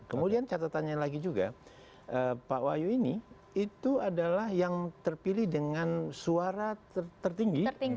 kemudian catatannya lagi juga pak wahyu ini itu adalah yang terpilih dengan suara tertinggi